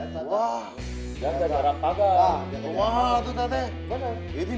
jaga jarak pagang